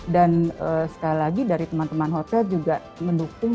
dan sekali lagi dari teman teman hotel juga mendukung